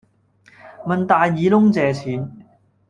問大耳窿借錢